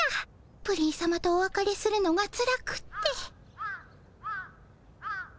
プリンさまとおわかれするのがつらくって。